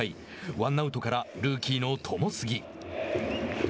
ワンアウトからルーキーの友杉。